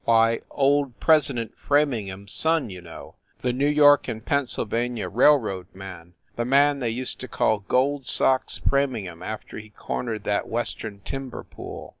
Why, old President Framingham s son, you know ; the N. Y. & Penn. R. R. man the man they used to call "Gold Socks" Framingham after he cornered that western timber pool.